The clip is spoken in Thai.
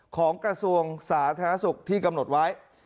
กระทรวงสาธารณสุขที่กำหนดไว้